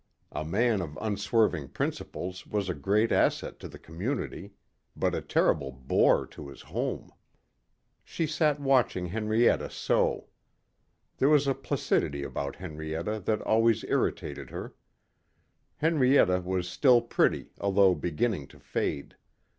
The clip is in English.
A man of unswerving principles was a great asset to the community. But a terrible bore to his home. She sat watching Henrietta sew. There was a placidity about Henrietta that always irritated her. Henrietta was still pretty although beginning to fade.